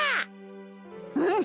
うん！